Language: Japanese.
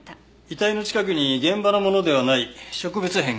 遺体の近くに現場のものではない植物片が落ちていました。